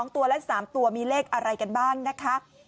ตัวและ๓ตัวมีเลขอะไรกันบ้างนะคะ